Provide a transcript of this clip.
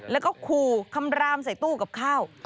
แล้วก็ขู่คำรามใส่ตู้กับข้าว